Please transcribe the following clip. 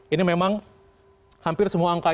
ini memang hampir semua angka